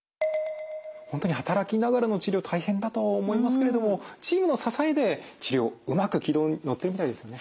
本当に働きながらの治療大変だと思いますけれどもチームの支えで治療うまく軌道に乗っているみたいですね。